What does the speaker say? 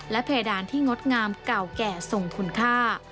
และเพดานที่งดงามเก่าแก่ทรงคุณค่า